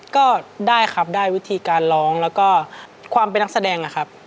ก็ได้ครับได้วิธีการร้องแล้วก็ความเป็นนักแสดงนะครับ